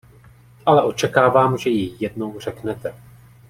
Ale očekávám, že ji jednou řeknete.